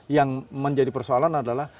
yang menjadi persoalan adalah